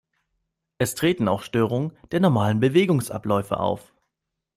Es treten auch Störungen der normalen Bewegungsabläufe auf.